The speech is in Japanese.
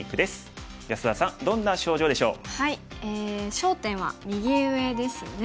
焦点は右上ですね。